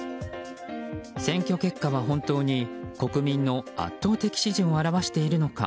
選挙結果は本当に国民の圧倒的支持を表しているのか。